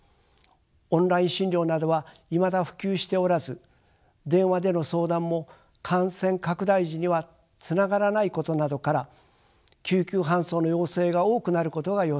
オンライン診療などはいまだ普及しておらず電話での相談も感染拡大時にはつながらないことなどから救急搬送の要請が多くなることが予想されます。